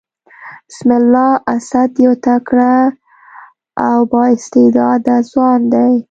بسم الله اسد يو تکړه او با استعداده ځوان دئ.